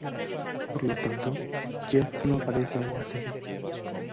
Por lo tanto, Jeff no aparece en la serie.